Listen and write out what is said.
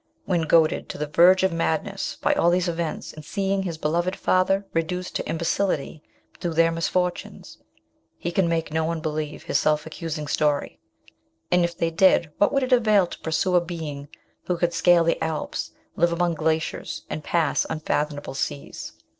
When goaded to the verge of madness by all these events, and seeing his beloved father reduced to imbecility through their misfortunes, he can make no one believe his self accusing story ; and if they did, what would it avail to pursue a being who could scale the Alps, live among glaciers, and pass unfathomable seas